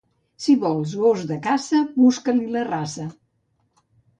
Si vols gos de caça, busca-li la raça.